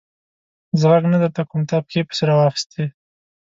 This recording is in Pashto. زه ږغ نه درته کوم؛ تا پښې پسې را واخيستې.